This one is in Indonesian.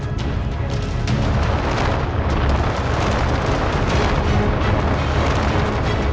aku harus mencari tempat yang lebih aman